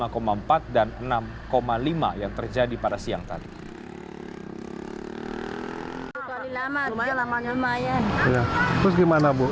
kemudian kekuatan lima empat dan enam lima yang terjadi pada siang tadi